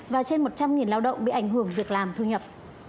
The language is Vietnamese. và trên một trăm linh lao động bị ảnh hưởng việc làm thu nhập